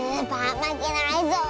まけないぞ！